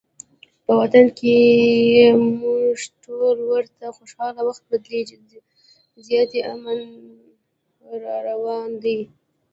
په وطن کې یو موږ ټول ورته خوشحاله، وخت بدلیږي زیاتي امن راروان دي